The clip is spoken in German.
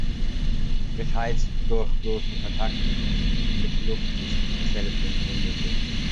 Bereits durch bloßen Kontakt mit Luft ist Selbstentzündung möglich.